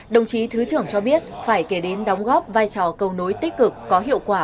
đồng chí thứ trưởng cho biết phải kể đến đóng góp vai trò cầu nối tích cực có hiệu quả